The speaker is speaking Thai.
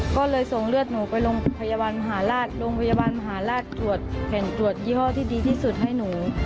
ก็เลยส่งเลือดหนูไปโรงพยาบาลมหาราชโรงพยาบาลมหาราชตรวจแผ่นตรวจยี่ห้อที่ดีที่สุดให้หนู